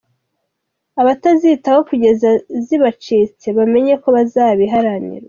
Abatazitaho kugeza zibacitse bamenye ko bazabihanirwa.